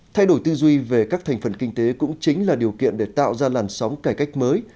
thay đổi tư duy về các thành phần kinh tế cũng chính là điều kiện để tạo ra làn sóng cải cách mới